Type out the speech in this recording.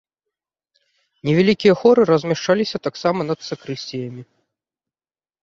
Невялікія хоры размяшчаліся таксама над сакрысціямі.